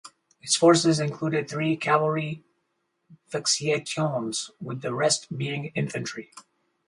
His forces included three cavalry "vexillationes" with the rest being infantry.